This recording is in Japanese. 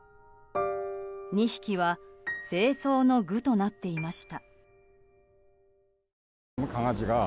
２匹は政争の具となっていました。